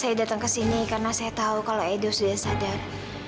saya datang ke sini karena saya tahu kalau edo sudah sadar